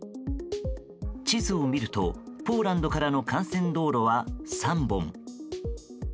地図を見ると、ポーランドからの幹線道路は３本。